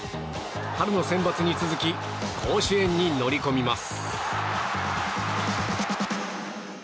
春のセンバツに続き甲子園に乗り込みます。